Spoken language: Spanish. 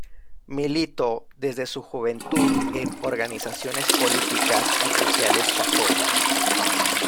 Militó desde su juventud en organizaciones políticas y sociales católicas.